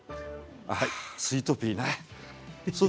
スイートピーね